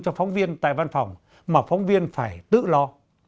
cho phóng viên tại văn phòng mà phóng viên phải tự lo